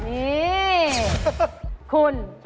นี่คุณ